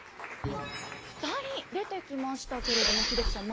２人出てきましたけれども英樹さん